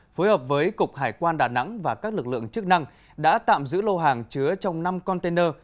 phối hợp với cục hải quan đà nẵng và các lực lượng chức năng đã tạm giữ lô hàng chứa trong năm container